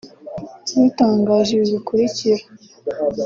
dutangaje ibi bikurikira